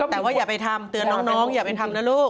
แต่ว่าอย่าไปทำเตือนน้องอย่าไปทำนะลูก